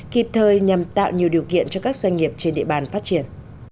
kịp thời nhằm tạo nhiều điều kiện cho các doanh nghiệp trên địa bàn phát triển